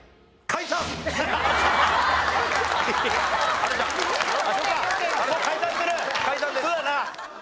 解散です。